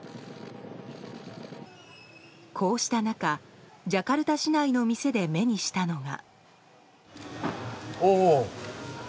こうした中、ジャカルタ市内の店で目にしたのが。